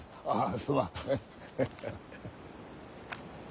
あ？